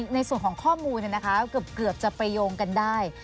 ในส่วนของข้อมูลเกือบจะไปโยงกันได้